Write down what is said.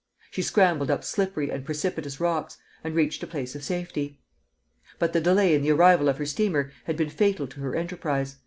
She scrambled up slippery and precipitous rocks, and reached a place of safety. But the delay in the arrival of her steamer had been fatal to her enterprise.